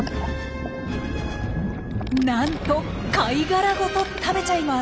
なんと貝殻ごと食べちゃいます。